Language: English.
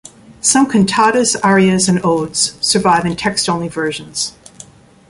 Some cantatas, arias, and odes survive in text-only versions.